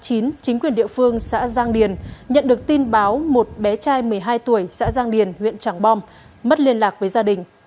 chính quyền địa phương xã giang điền nhận được tin báo một bé trai một mươi hai tuổi xã giang điền huyện tràng bom mất liên lạc với gia đình